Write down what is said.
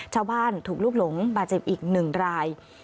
ชาวบ้านถูกลุกหลงบาดเจ็บอีก๑ราย